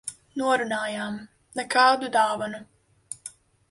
Norunājām - nekādu dāvanu.